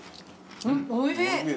おいしい。